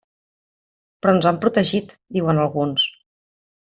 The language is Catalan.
Però ens ha protegit, diuen alguns.